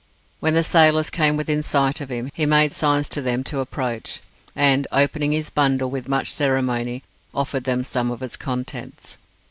When the sailors came within sight of him, he made signs to them to approach, and, opening his bundle with much ceremony, offered them some of its contents.